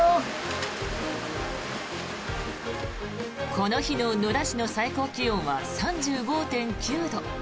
この日の野田市の最高気温は３５．９度。